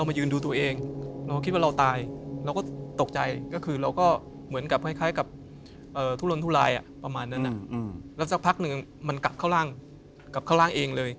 ไม่ใช่ภาษาคน